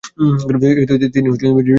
তিনি জীবিত ছিলেন।